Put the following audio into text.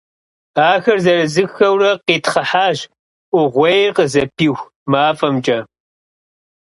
Ахэр зырызыххэурэ къитхъыхьащ Iугъуейр къызыпиху мафIэмкIэ.